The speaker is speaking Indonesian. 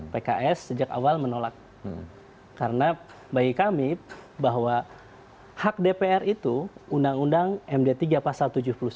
pks sejak awal menolak karena bagi kami bahwa hak dpr itu undang undang md tiga pasal tujuh puluh sembilan